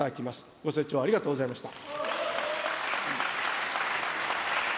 ご清聴、ありがとうございました。